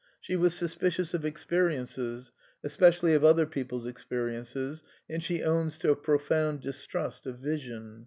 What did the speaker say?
She was suspicious of experiences, especially of other people's experiences; and she owns to a profound distrust of " vision."